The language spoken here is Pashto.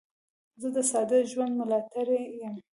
زه د ساده ژوند ملاتړی یم.